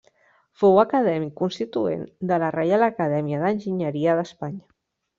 Fou acadèmic constituent de la Reial Acadèmia d'Enginyeria d'Espanya.